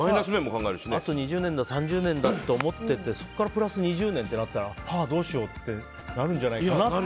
これがあと２０年だ３０年だって考えてそこからプラス２０年ってなったらどうしようってなるんじゃないかなって。